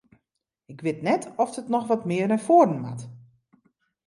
Ik wit net oft it noch wat mear nei foaren moat?